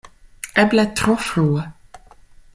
Eble tro frue!